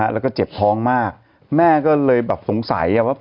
แล้วก็เจ็บท้องมากแม่ก็เลยแบบสงสัยว่า